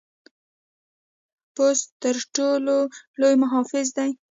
پوست تر ټر ټولو لوی محافظ دی.